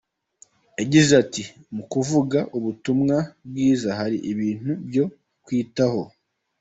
Yagize ati “Mu kuvuga ubutumwa bwiza hari ibintu byo kwitaho.